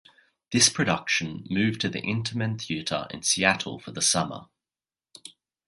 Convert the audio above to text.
This production moved to the Intiman Theatre in Seattle for the summer.